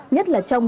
nhất là trong